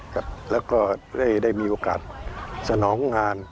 และได้มีโอกาสสนองงาน